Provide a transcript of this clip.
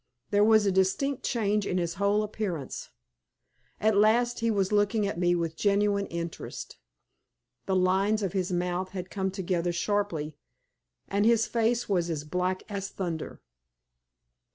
There was a distinct change in his whole appearance. At last he was looking at me with genuine interest. The lines of his mouth had come together sharply, and his face was as black as thunder.